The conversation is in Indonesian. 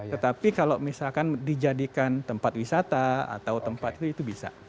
tetapi kalau misalkan dijadikan tempat wisata atau tempat itu bisa